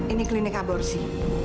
ini klinik aborsi